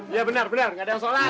iya benar benar gak ada yang sholat